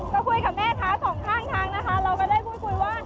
ก็คุยกับแม่ค้าสองข้างทางนะคะเราก็ได้พูดคุยว่า